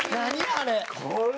あれ。